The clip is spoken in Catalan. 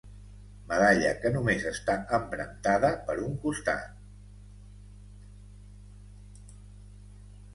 Medalla que només està empremtada per un costat.